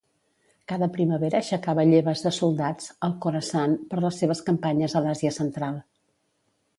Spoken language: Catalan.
Cada primavera aixecava lleves de soldats al Khorasan per les seves campanyes a l'Àsia Central.